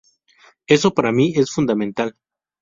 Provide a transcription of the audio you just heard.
Eso para mí es fundamental.